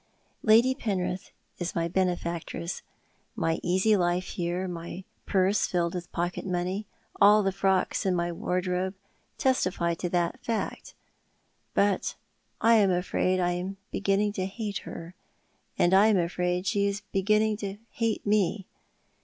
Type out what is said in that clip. Lady Penrith is my benefactress — my easy life here, my purse filled with pocket money, nil the frocks in my wardrobe, testify to the fact— but I am afraid I am beginning to hate her ; and I am afraid she is beginning to hate me.